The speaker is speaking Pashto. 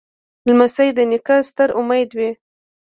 لمسی د نیکه ستر امید وي.